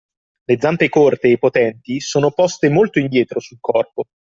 Le zampe corti e potenti sono poste molto indietro sul corpo